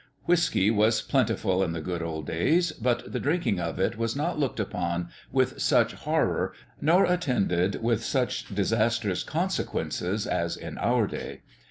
Whiskey was plentiful in the good old days, but the drinking of it was not looked upon with such horror, nor attended with such disastrous consequences as in our day.